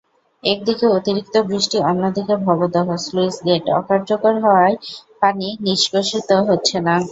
একদিকে অতিরিক্ত বৃষ্টি, অন্যদিকে ভবদহ স্লুইসগেট অকার্যকর হওয়ায় পানি নিষ্কাশিত হচ্ছে না।